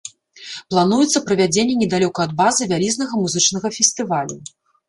Плануецца правядзенне недалёка ад базы вялізнага музычнага фестывалю.